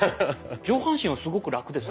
上半身はすごくラクですね。